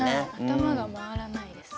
頭が回らないです。